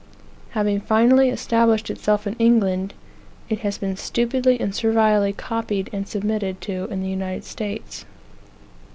Having finally established itself in England, it has been stupidly and servilely copied and submitted to in the United States.